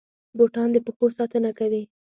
بوټان د پښو ساتنه کوي